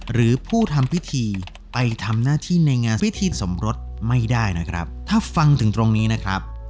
หรือผู้ทำพิธีไปทำหน้าที่ในงานพิธีสมรสไม่ได้นะครับถ้าฟังถึงตรงนี้นะครับ